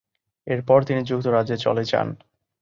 এরপর তিনি যুক্তরাজ্যে চলে যান।